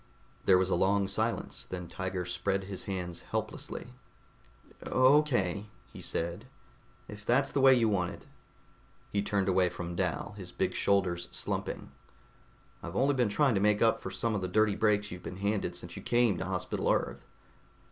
There was a long silence. Then Tiger spread his hands helplessly. "Okay," he said, "if that's the way you want it." He turned away from Dal, his big shoulders slumping. "I've only been trying to make up for some of the dirty breaks you've been handed since you came to Hospital Earth."